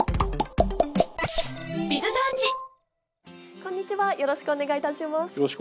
こんにちはよろしくお願いいたします。